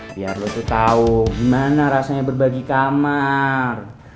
biar lu tuh tau gimana rasanya berbagi kamar